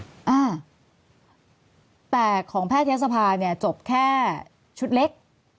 แต่ถึงอย่างแปลกของแพทย์เทศภาจบแค่ชุดเล็ก